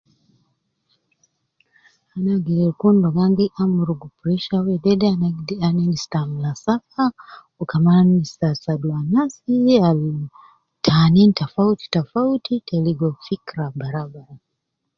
Ana agder kun ligo an gi amurugu pressure wede ana endi te amula safa wu kaman ta asadu anasi al tanin tafauti tafauti te ligo fikira barau